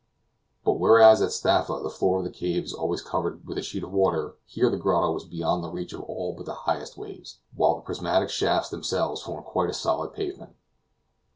But whereas at Staffa the floor of the cave is always covered with a sheet of water, here the grotto was beyond the reach of all but the highest waves, while the prismatic shafts themselves formed quite a solid pavement.